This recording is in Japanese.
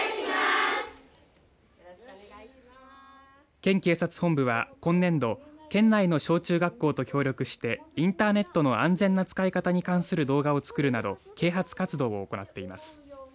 県警察本部は、今年度県内の小中学校と協力してインターネットの安全な使い方に関する動画を作るなど啓発活動を行っています。